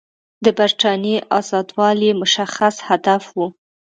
د برټانیې آزادول یې مشخص هدف وو.